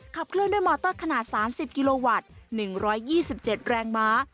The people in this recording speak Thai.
เคลื่อนด้วยมอเตอร์ขนาด๓๐กิโลวัตต์๑๒๗แรงม้า